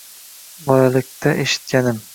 Bolaliqda eshitganim